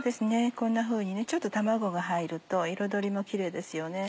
こんなふうにちょっと卵が入ると彩りもキレイですよね。